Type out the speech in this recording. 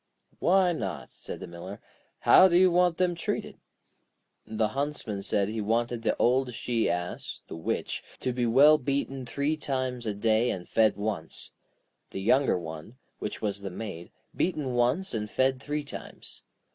'Why not?' said the Miller. 'How do you want them treated?' The Huntsman said he wanted the old she ass (the Witch) to be well beaten three times a day and fed once. The younger one, which was the Maid, beaten once and fed three times.